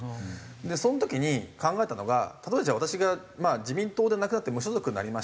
その時に考えたのが例えばじゃあ私が自民党でなくなって無所属になりました。